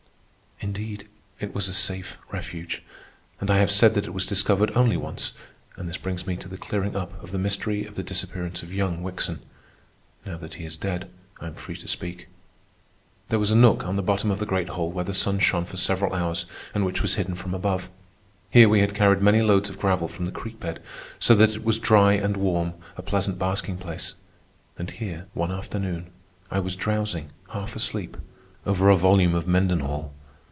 Indeed, it was a safe refuge. I have said that it was discovered only once, and this brings me to the clearing up of the mystery of the disappearance of young Wickson. Now that he is dead, I am free to speak. There was a nook on the bottom of the great hole where the sun shone for several hours and which was hidden from above. Here we had carried many loads of gravel from the creek bed, so that it was dry and warm, a pleasant basking place; and here, one afternoon, I was drowsing, half asleep, over a volume of Mendenhall.